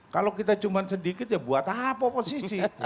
kalau kita cuma sedikit ya buat apa oposisi